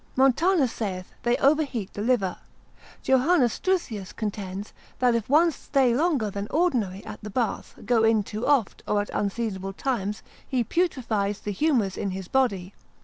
Montanus, consil. 137, saith, they overheat the liver. Joh. Struthius, Stigmat. artis. l. 4. c. 9, contends, that if one stay longer than ordinary at the bath, go in too oft, or at unseasonable times, he putrefies the humours in his body.